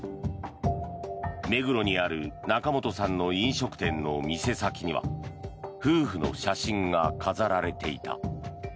目黒にある仲本さんの飲食店の店先には夫婦の写真が飾られていた。